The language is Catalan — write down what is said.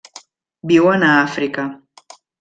Viuen a Àfrica.